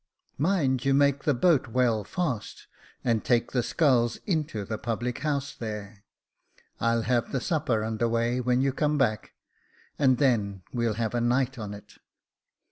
Mind you make the boat well fast, and take the sculls into the public house there. I'll have the supper under weigh when you come back, and then we'll have a night on't.